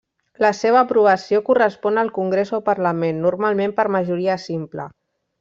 La seva aprovació correspon al Congrés o Parlament, normalment per majoria simple.